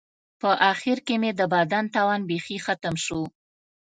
په آخر کې مې د بدن توان بیخي ختم شو.